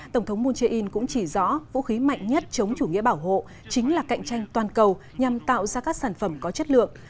tổng thống moon jae in cũng chỉ rõ vũ khí mạnh nhất chống chủ nghĩa bảo hộ chính là cạnh tranh toàn cầu nhằm tạo ra các sản phẩm có chất lượng